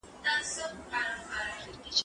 زه اوږده وخت سفر کوم،